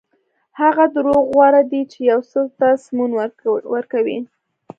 هغه دروغ غوره دي چې یو څه ته سمون ورکوي.